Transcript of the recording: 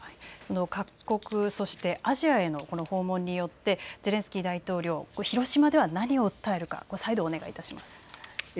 各国、そしてアジアへの訪問によってゼレンスキー大統領広島では何を訴えるか再度お願い致します。